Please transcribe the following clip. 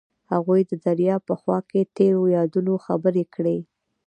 هغوی د دریا په خوا کې تیرو یادونو خبرې کړې.